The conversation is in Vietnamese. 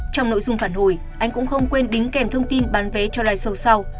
trong nội dung phản hồi anh cũng không quên đính kèm thông tin bán vé cho live show sau